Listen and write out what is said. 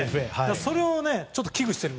それを、危惧している。